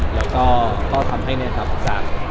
แล้วก็ทำให้แน่นความสะกด